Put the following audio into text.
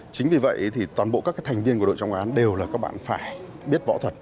chính vì vậy thì toàn bộ các thành viên của đội trọng án đều là các bạn phải biết võ thuật